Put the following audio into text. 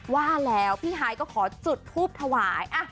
ว่าแล้วพี่ฮายก็ขอจุดทูบถวาย